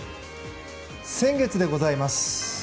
先月でございます。